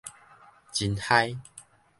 真咍